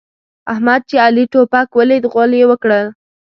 احمد چې علي توپک وليد؛ غول يې وکړل.